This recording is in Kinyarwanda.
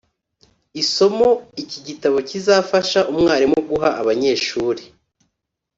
isomo Iki gitabo kizafasha umwarimu guha abanyeshuri